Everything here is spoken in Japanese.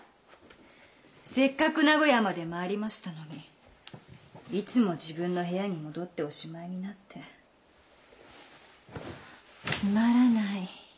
せっかく名古屋まで参りましたのにいつも自分の部屋に戻っておしまいになってつまらない。